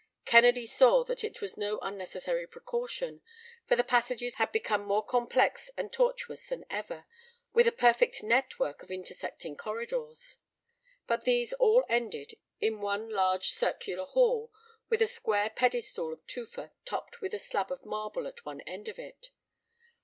Kennedy saw that it was no unnecessary precaution, for the passages had become more complex and tortuous than ever, with a perfect network of intersecting corridors. But these all ended in one large circular hall with a square pedestal of tufa topped with a slab of marble at one end of it.